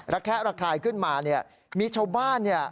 แคะระคายขึ้นมาเนี่ยมีชาวบ้านเนี่ย